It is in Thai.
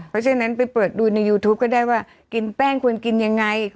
เพราะฉะนั้นไปเปิดดูในยูทูปก็ได้ว่ากินแป้งควรกินยังไง